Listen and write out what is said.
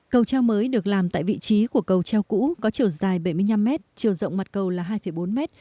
cầu treo mới được làm tại vị trí của cầu treo cũ có chiều dài bảy mươi năm mét chiều rộng mặt cầu là hai bốn mét